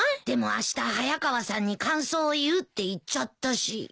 でもあした早川さんに感想を言うって言っちゃったし。